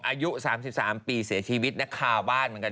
อายุ๓๓ปีเสียชีวิตนะคะคาบ้านเหมือนกัน